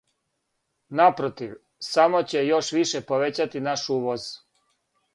Напротив, само ће још више повећати наш увоз.